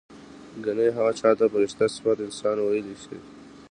ګنې هغه چا ته چې فرشته صفت انسان وييلی شي